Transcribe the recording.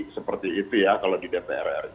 seperti itu ya kalau di dpr ri